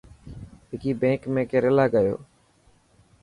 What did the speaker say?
وڪي بينڪ ۾ ڪيريلا گيو؟